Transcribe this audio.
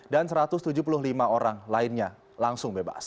dan satu ratus tujuh puluh lima orang lainnya langsung bebas